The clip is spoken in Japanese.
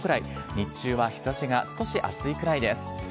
日中は日ざしが少し暑いくらいです。